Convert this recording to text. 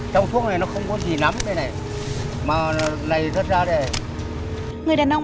thuốc chị bệnh không